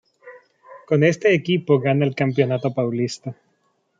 Con este equipo gana el Campeonato Paulista.